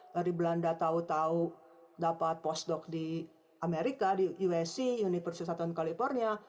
dari belanda tahu tahu dapat postdok di amerika di usc universitas california